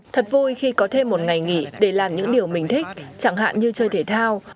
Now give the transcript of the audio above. thật vui khi có thêm một ngày nghỉ để làm những điều mình thích chẳng hạn như chơi thể thao